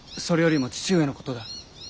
それよりも父上のことだ。